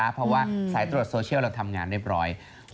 เพราะว่าสายตรวจโซเชียลเราทำงานเรียบร้อย